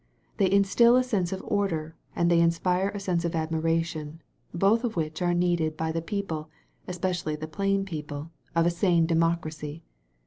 They instil a sense of order and they inspire a sense of admiration, both of which are needed by the people — especially the plain people — of a sane democracy.